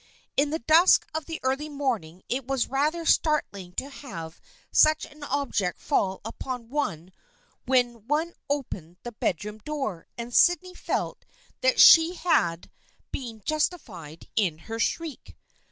In the dusk of the early morning it was rather startling to have such an object fall upon one when one opened the bedroom door, and Sydney felt that she had 245 246 THE FKIENDSHIP OF ANNE been justified in her shriek.